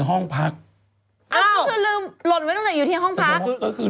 อ๋อก็โอเค